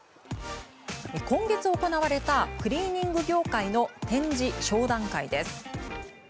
今月行われたクリーニング業界の展示・商談会です。